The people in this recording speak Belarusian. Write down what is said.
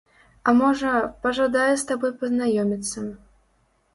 А можа, пажадае з табой пазнаёміцца.